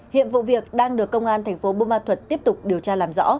hiện vụ việc đang được công an tp bô ma thuật tiếp tục điều tra làm rõ